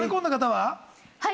はい。